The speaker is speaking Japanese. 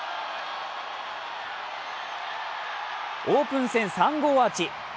オープン戦３号アーチ。